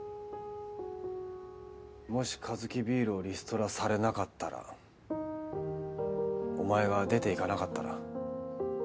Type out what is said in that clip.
もしカヅキビールをリストラされなかったらお前が出ていかなかったら。